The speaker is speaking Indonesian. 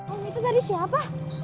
om itu dari siapa